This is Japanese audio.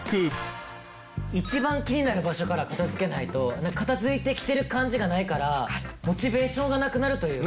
１番気になる場所から片付けないと片付いてきてる感じがないからモチベーションがなくなるというか。